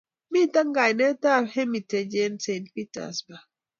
mito kananetab Hermitage eng saint Petersburg